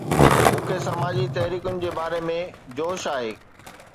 مون کي سماجي تحريڪن جي باري ۾ جوش آهي